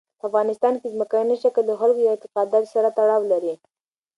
په افغانستان کې ځمکنی شکل د خلکو د اعتقاداتو سره تړاو لري.